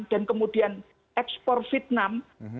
dan kemudian ekspor vietnam